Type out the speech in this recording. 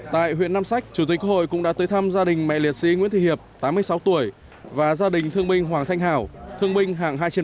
tại huyện nam sách chủ tịch quốc hội cũng đã tới thăm gia đình mẹ liệt sĩ nguyễn thị hiệp tám mươi sáu tuổi và gia đình thương binh hoàng thanh hảo thương binh hạng hai trên bốn